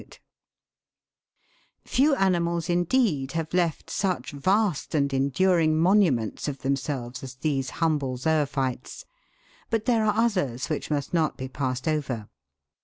* Few animals, indeed, have left such vast and enduring monuments of themselves as these humble zoophytes ; but there are others which must not be passed over.